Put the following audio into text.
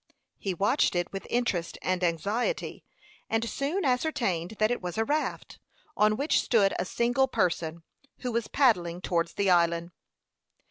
He watched it with interest and anxiety, and soon ascertained that it was a raft, on which stood a single person, who was paddling towards the island.